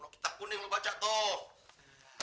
kitab kuning lu baca tuh